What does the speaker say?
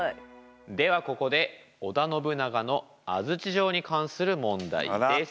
ではここで織田信長の安土城に関する問題です。